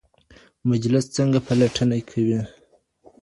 مجلس څنګه پلټنه کوي؟